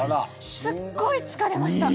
すっごい疲れました。